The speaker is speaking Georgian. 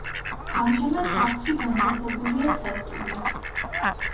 ამჟამად სახლში განთავსებულია სასტუმრო.